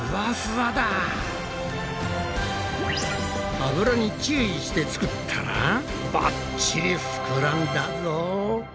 油に注意して作ったらばっちりふくらんだぞ！